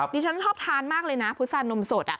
ดิฉันชอบทานมากเลยนะพุษานมสด